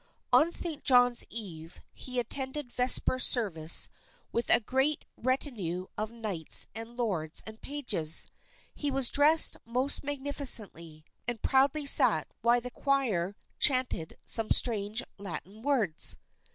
On St. John's eve he attended vesper service with a great retinue of knights and lords and pages. He was dressed most magnificently, and proudly sat while the choir chanted some strange Latin words.